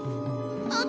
あ。